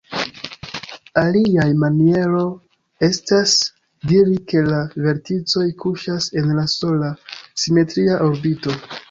Aliaj maniero estas diri ke la verticoj kuŝas en la sola "simetria orbito".